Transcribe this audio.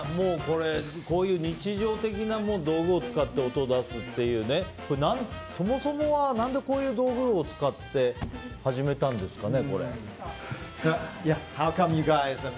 こういう日常的な道具を使って音を出すっていうそもそもは何でこういう道具を使って始めたんですかね。